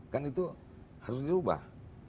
kan itu harus diubah